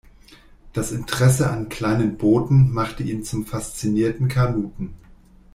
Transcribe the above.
Das Interesse an kleinen Booten machte ihn zum faszinierten Kanuten.